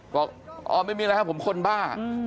บอกอ๋อไม่มีแล้วครับผมคนบ้า